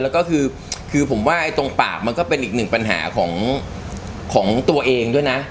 แล้วก็คือผมว่าตรงปากมันก็เป็นอีกหนึ่งปัญหาของตัวเองด้วยนะ